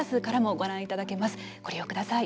ご利用ください。